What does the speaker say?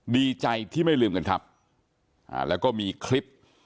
ดีใจที่ไม่ลืมกันครับอ่าแล้วก็มีคลิป